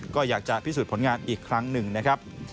ก็อยากจะพิสูจน์ผลงานอีกครั้งหนึ่งนะครับ